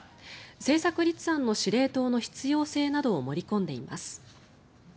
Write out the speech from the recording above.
政策立案の司令塔の必要性などを盛り込んでいます。